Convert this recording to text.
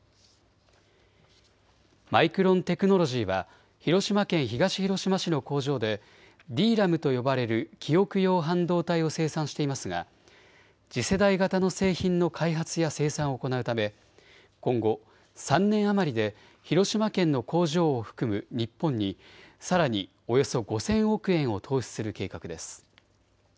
マイクロンテクノロジーは広島県東広島市の工場でＤＲＡＭと呼ばれる記憶用半導体を生産していますが次世代型の製品の開発や生産を行うため今後、３年余りで広島県の工場を含む日本にさらにおよそ５０００億円を投資する計画です。